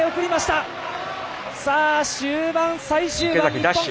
さあ終盤、最終盤、日本。